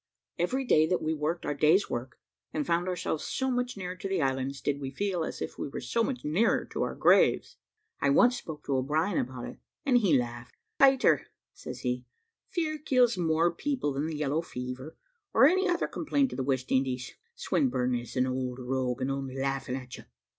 Every day that we worked our day's work, and found ourselves so much nearer to the islands, did we feel as if we were so much nearer to our graves. I once spoke to O'Brien about it, and he laughed. "Peter," says he, "fear kills more people than the yellow fever, or any other complaint of the West Indies. Swinburne is an old rogue, and only laughing at you.